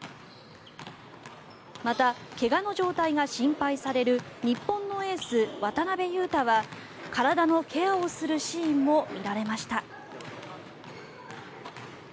また、怪我の状態が心配される日本のエース、渡邊雄太は体のケアをするシーンも見られました。